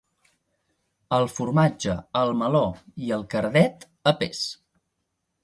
El formatge, el meló i el cardet, a pes.